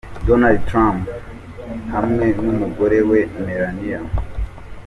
Donald Trump hamwe n'umugore we Melania.